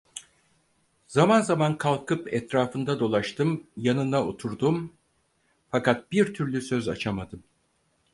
Zaman zaman kalkıp etrafında dolaştım, yanına oturdum, fakat bir türlü söz açamadım.